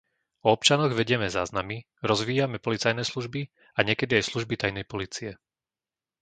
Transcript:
O občanoch vedieme záznamy, rozvíjame policajné služby a niekedy aj služby tajnej polície.